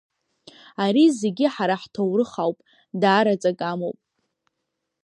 Ари зегьы ҳара ҳҭоурых ауп, даара аҵакы амоуп.